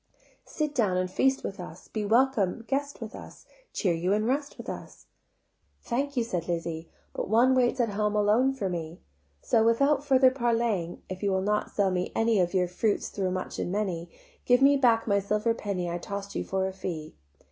Sit down and feast with us, Be welcome guest with us, Cheer you and rest with us." "Thank you," said Lizzie: "But one waits At home alone for me: So without further parleying, If you will not sell me any Of your fruits though much and many, Give me back my silver penny I toss'd you for a fee."